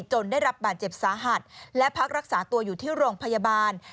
ได้รับบาดเจ็บสาหัสและพักรักษาตัวอยู่ที่โรงพยาบาล